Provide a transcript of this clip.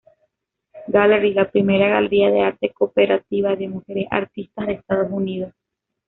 Gallery, la primera galería de arte, cooperativa, de mujeres artistas de Estados Unidos.